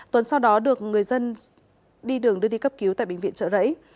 tuấn sau đó được người dân đi đường đưa đi cấp cứu tại bệnh viện trợ rẫy